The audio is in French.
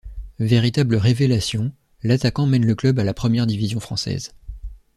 Véritable révélation, l'attaquant mène le club à la première division française.